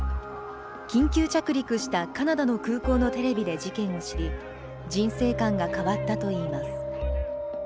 緊急着陸したカナダの空港のテレビで事件を知り人生観が変わったといいます。